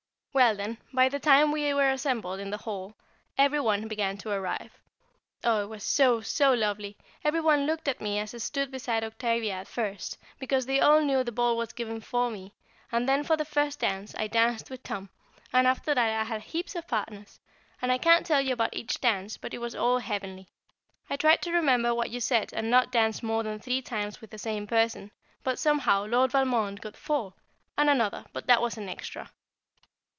Well, then, by the time we were all assembled in the hall, every one began to arrive. Oh, it was so, so lovely! Every one looked at me as I stood beside Octavia at first, because they all knew the ball was given for me, and then for the first dance I danced with Tom, and after that I had heaps of partners, and I can't tell you about each dance, but it was all heavenly. I tried to remember what you said and not dance more than three times with the same person, but, somehow, Lord Valmond got four, and another but that was an extra.